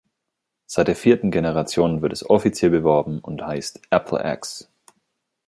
Seit der vierten Generation wird es offiziell beworben und heißt „Apple Ax“.